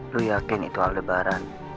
lu yakin itu awal lebaran